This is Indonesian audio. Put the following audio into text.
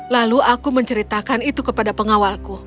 lalu aku menceritakan itu kepada pengawalku